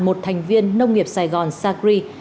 một thành viên nông nghiệp sài gòn sacri